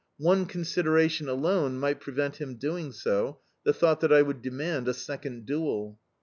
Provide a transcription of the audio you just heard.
One consideration alone might prevent him doing so the thought that I would demand a second duel.